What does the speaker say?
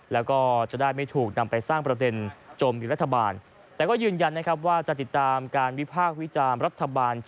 และก็จะได้ไม่ถูกนำไปสร้างประเภทจมกับรัฐบาล